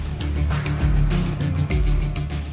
sektor kelautan dan perikanan mengalami kerugian yang cukup besar